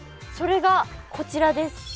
それがこちらです。